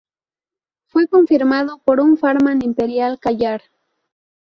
Fue confirmado por un farman imperial Kayar.